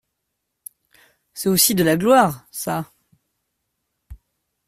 C'est aussi de la gloire, ça.